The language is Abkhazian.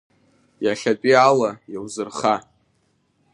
Иахьатәи ала иузырха.